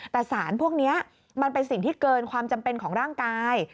แต่สารพวกนี้มันเป็นสิ่งที่เกินความจำเป็นของร่างกาย